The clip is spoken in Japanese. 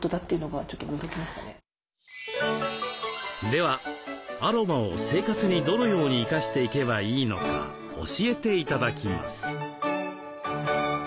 ではアロマを生活にどのように生かしていけばいいのか教えて頂きます。